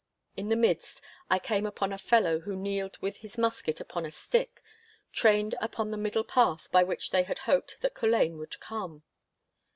In the midst I came upon a fellow who kneeled with his musket upon a stick, trained upon the middle path by which they had hoped that Culzean would come.